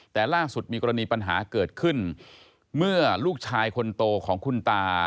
แต่ล่าสุดมีกรณีปัญหาเกิดขึ้นเมื่อลูกชายคนโตของคุณตา